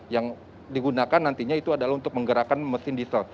yang digunakan nantinya itu adalah untuk menggerakkan mesin diesel